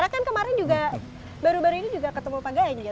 mungkin kemarin juga baru baru ini juga ketemu pak gaya juga